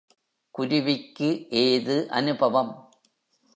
குருவிக்கு ஏது அனுபவம்?